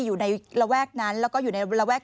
อยู่ในระแวกนั้นแล้วก็อยู่ในระแวก